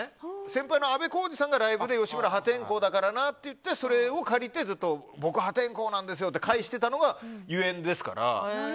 先輩のあべこうじさんがライブで吉村、破天荒だからなって言われたのを借りて僕、破天荒なんですよ！って言ってたのがゆえんですから。